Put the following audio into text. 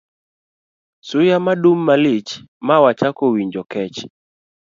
Suya madum malich ma wachako winjo kech